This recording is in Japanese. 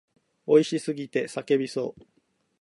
美味しすぎて叫びそう。